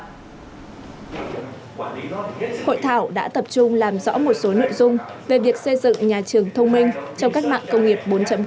hội thảo đã tập trung làm rõ một số nội dung về việc xây dựng nhà trường thông minh trong cách mạng công nghiệp bốn